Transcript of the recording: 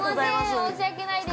申し訳ないです。